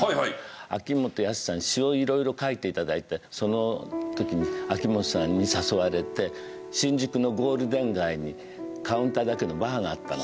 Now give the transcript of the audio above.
秋元康さんに詞を色々書いて頂いてその時に秋元さんに誘われて新宿のゴールデン街にカウンターだけのバーがあったの。